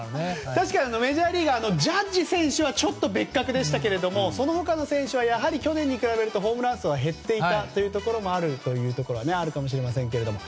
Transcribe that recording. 確かにメジャーリーグはジャッジ選手はちょっと別格でしたけれどもその他の選手は去年に比べるとホームランが減っていたということもあるというところがあるかもしれませんけども。